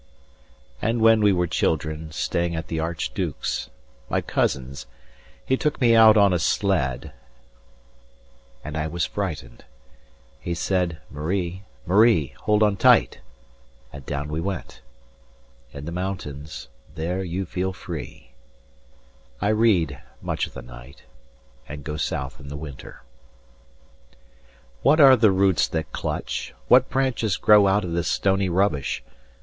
And when we were children, staying at the archduke's, My cousin's, he took me out on a sled, And I was frightened. He said, Marie, 15 Marie, hold on tight. And down we went. In the mountains, there you feel free. I read, much of the night, and go south in the winter. What are the roots that clutch, what branches grow Out of this stony rubbish?